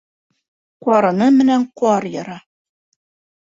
Ҡарыны менән ҡар яра.